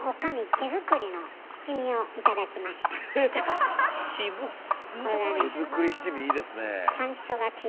手作り七味いいですねえ。